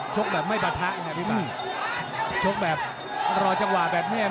ชกแบบไม่ปะทะนะพี่บ้านชกแบบรอจังหวะแบบนี้